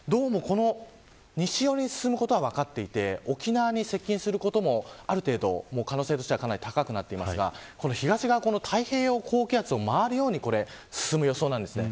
西寄りに進むことは分かっていて沖縄に接近することも可能性としてはかなり高いですが東側の太平洋高気圧を回るように進む予想です。